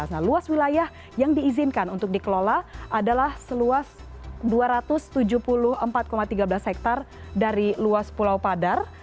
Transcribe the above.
nah luas wilayah yang diizinkan untuk dikelola adalah seluas dua ratus tujuh puluh empat tiga belas hektare dari luas pulau padar